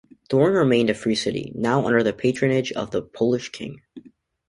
Thorn remained a free city, now under the patronage of the Polish king.